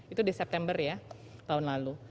itu di september ya tahun lalu